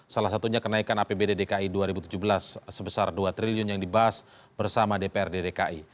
salah satunya kenaikan apbd dki dua ribu tujuh belas sebesar dua triliun yang dibahas bersama dprd dki